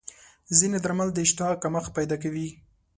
ځینې درمل د اشتها کمښت پیدا کوي.